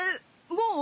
もう！？